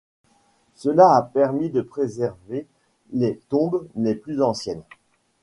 Cela a permis de préserver les tombes les plus anciennes.